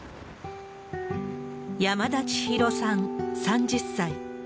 山田千紘さん３０歳。